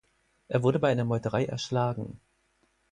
Er wurde bei einer Meuterei erschlagen.